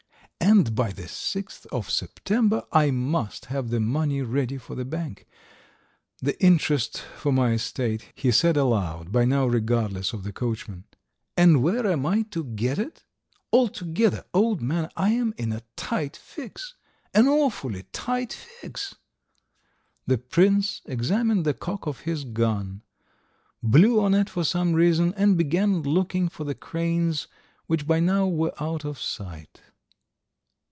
"And by the sixth of September I must have the money ready for the bank ... the interest for my estate," he said aloud, by now regardless of the coachman. "And where am I to get it? Altogether, old man, I am in a tight fix! An awfully tight fix!" The prince examined the cock of his gun, blew on it for some reason, and began looking for the cranes which by now were out of sight.